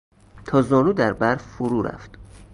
تا زانو در برف فرو رفت.